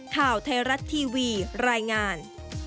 ข่าวไทยรัฐทีวีรายงาน